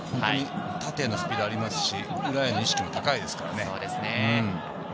縦へのスピードがありますし、裏への意識も高いですからね。